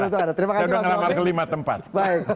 terima kasih pak sofi